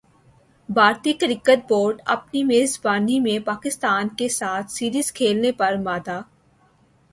بھارتی cricket board اپنی میزبانی میں پاکستان کیساتھ سیریز کھیلنے پر مادہ